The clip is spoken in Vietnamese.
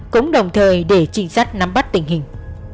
cũng đồng thời để trinh sát nắm bắt tình hình